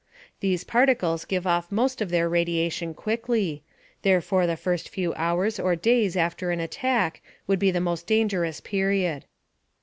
These particles give off most of their radiation quickly; therefore the first few hours or days after an attack would be the most dangerous period.